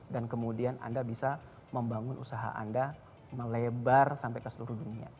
dan kemudian anda bisa membangun usaha anda melebar sampai ke seluruh dunia